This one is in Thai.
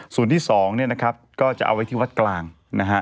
ส่วนที่สองเนี่ยนะครับก็จะเอาไว้ที่วัดกลางนะฮะ